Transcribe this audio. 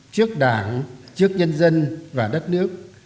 trước đảng trước nhân dân và đất nước